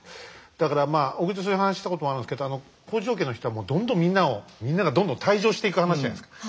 だからまあ小栗とそういう話したこともあるんですけど北条家の人はどんどんみんなをみんながどんどん退場していく話じゃないですか。